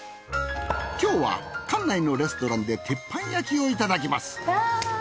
今日は館内のレストランで鉄板焼きをいただきますわぁ！